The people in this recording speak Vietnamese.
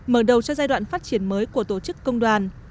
mở đầu cho giai đoạn phát triển mới của tổ chức công đoàn